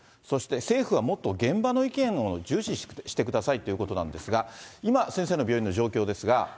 そして、政府はもっと現場の意見を重視してくださいということなんですが、今、先生の病院の状況ですが。